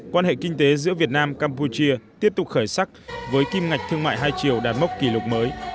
quan hệ kinh tế giữa việt nam campuchia tiếp tục khởi sắc với kim ngạch thương mại hai triệu đạt mốc kỷ lục mới